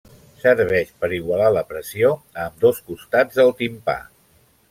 Serveix per igualar la pressió a ambdós costats del timpà.